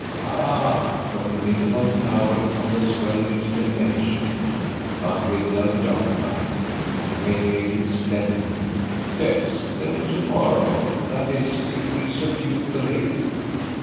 "Ah!" Dr. Middleton towered on the swelling exclamation, but with no dark light. He radiated splendidly. "Yes, then, to morrow. That is, if we subdue the lady."